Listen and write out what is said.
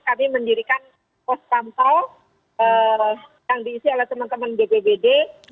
kami mendirikan pos pantau yang diisi oleh teman teman bpbd